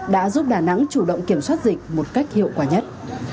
đã giúp đà nẵng chủ động kiểm soát dịch một cách hiệu quả nhất